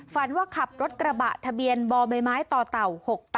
ฝันว่าขับรถกระบะทะเบียนบ่อใบไม้ต่อเต่า๖๘